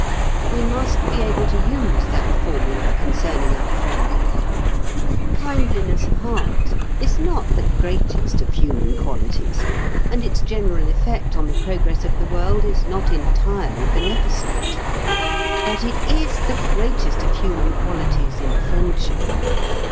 We must be able to use that formula concerning our friends. Kindliness of heart is not the greatest of human qualities and its general effect on the progress of the world is not entirely beneficent but it is the greatest of human qualities in friendship.